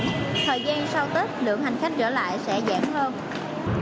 thời gian sau tết lượng hành khách trở lại sẽ giảm hơn